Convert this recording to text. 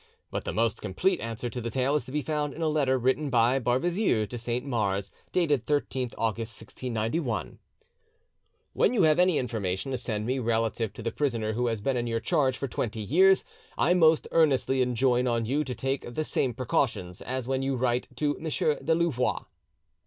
But the most complete answer to the tale is to be found in a letter written by Barbezieux to Saint Mars, dated the 13th August 1691:— "When you have any information to send me relative to the prisoner who has been in your charge for twenty years, I most earnestly enjoin on you to take the same precautions as when you write to M. de Louvois."